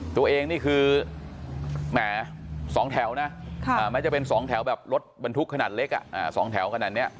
ตัวเองนี่คือสองแถวแม้จะเป็นสองแถวรถบรรทุกขนาดเล็ก